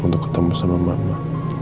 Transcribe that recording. untuk ketemu sama mama